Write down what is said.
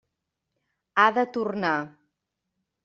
Ha de tornar.